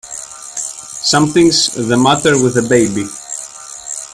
Something's the matter with the baby!